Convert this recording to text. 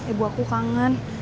ibu aku kangen